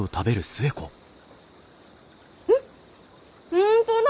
本当だ！